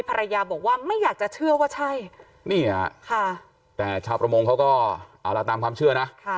ภรรยาบอกว่าไม่อยากจะเชื่อว่าใช่นี่ฮะค่ะแต่ชาวประมงเขาก็เอาละตามความเชื่อนะ